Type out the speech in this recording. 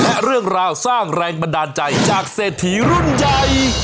และเรื่องราวสร้างแรงบันดาลใจจากเศรษฐีรุ่นใหญ่